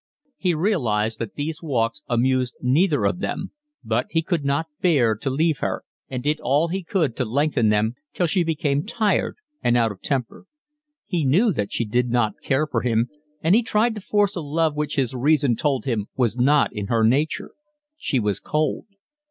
He realised that these walks amused neither of them, but he could not bear to leave her, and did all he could to lengthen them till she became tired and out of temper. He knew that she did not care for him, and he tried to force a love which his reason told him was not in her nature: she was cold.